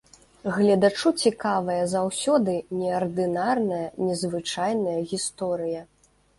Гледачу цікавая заўсёды неардынарная, незвычайная гісторыя.